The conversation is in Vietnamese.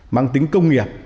mang tính công nghiệp